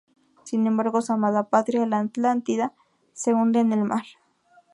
Sin embargo, su amada patria, la Atlántida, se hunde en el mar.